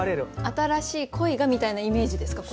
「新しい恋が」みたいなイメージですか？